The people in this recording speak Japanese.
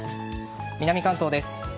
南関東です。